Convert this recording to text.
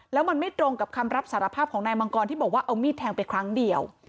แล้วมันไม่ตรงกับคำรับสารภาพของนายมังกรที่บอกว่าเอามีดแทงไปครั้งเดียว